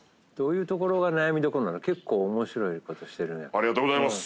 ありがとうございます！